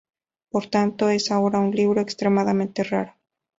Por tanto, es ahora un libro extremadamente raro.